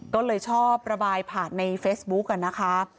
ก็เลยชอบระบายผ่านในเฟซบุ๊กนะคะ